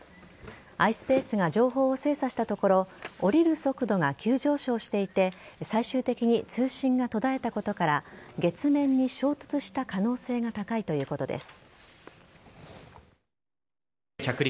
ｉｓｐａｃｅが情報を精査したところ降りる速度が急上昇していて最終的に通信が途絶えたことから月面に衝突した可能性が高いということです。